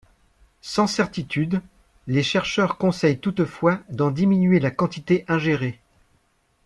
Sans certitudes, les chercheurs conseillent toutefois d'en diminuer la quantité ingérée.